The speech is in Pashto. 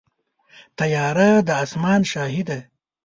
طیاره د اسمان شاهي ده.